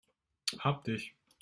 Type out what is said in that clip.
Hab dich!